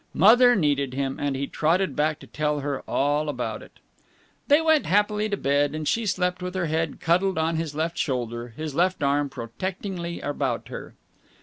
Mother needed him, and he trotted back to tell her all about it. They went happily to bed, and she slept with her head cuddled on his left shoulder, his left arm protectingly about her.